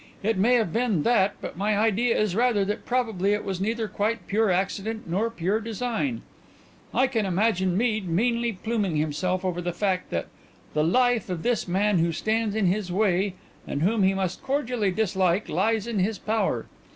It may have been that, but my idea is rather that probably it was neither quite pure accident nor pure design. I can imagine Mead meanly pluming himself over the fact that the life of this man who stands in his way, and whom he must cordially dislike, lies in his power.